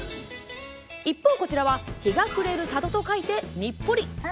一方、こちらは日が暮れる里と書いて日暮里。